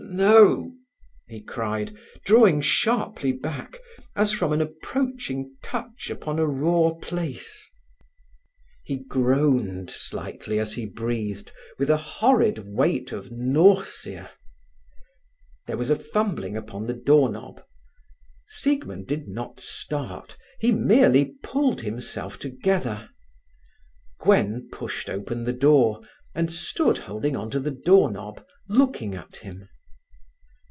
"Ah, no!" he cried, drawing sharply back, as from an approaching touch upon a raw place. He groaned slightly as he breathed, with a horrid weight of nausea. There was a fumbling upon the door knob. Siegmund did not start. He merely pulled himself together. Gwen pushed open the door, and stood holding on to the door knob looking at him.